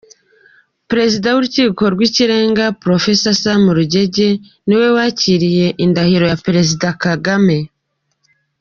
Perezida w’Urukiko rw’Ikirenga, Prof Sam Rugege, niwe wakiriye indahiro ya Perezida Kagame.